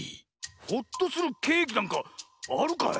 ほっとするケーキなんかあるかい？